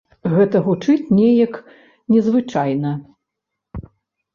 Гэта гучыць неяк незвычайна.